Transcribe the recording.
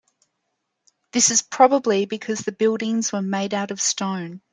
This is probably because the buildings were made out of stone.